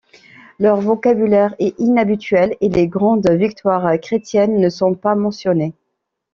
Leur vocabulaire est inhabituel, et les grandes victoires chrétiennes ne sont pas mentionnées.